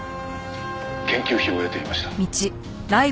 「研究費を得ていました」